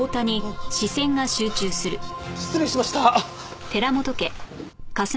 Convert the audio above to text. し失礼しました。